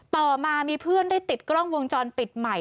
ต่อมามีเพื่อนได้ติดกล้องวงจรปิดใหม่